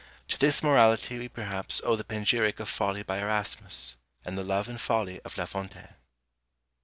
To this Morality we perhaps owe the panegyric of Folly by Erasmus, and the Love and Folly of La Fontaine.